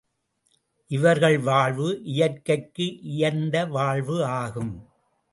இவர்கள் வாழ்வு இயற்கைக்கு இயைந்த வாழ்வு ஆகும்.